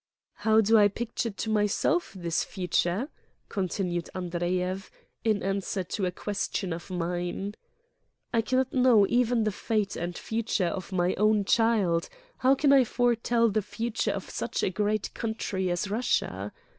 "How do I picture to myself this future!" con tinued Andreyev, in answer to a question of mine. "I cannot know even the fate and future of my own child ; how can I foretell the future of such a great country as Russia?